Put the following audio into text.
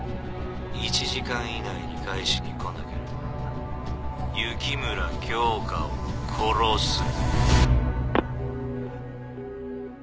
１時間以内に返しに来なければ雪村京花を殺す。